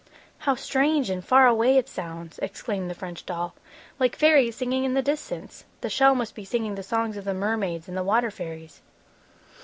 "How strange and far away it sounds!" exclaimed the French doll. "Like fairies singing in the distance! The shell must be singing the songs of the mermaids and the water fairies!"